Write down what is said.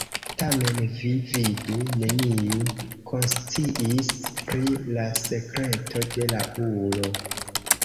Tamen, vi vidu, neniu konsciis pri la sekreto de la ulo.